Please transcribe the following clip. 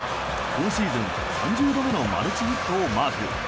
これで２試合連続今シーズン３０度目のマルチヒットをマーク。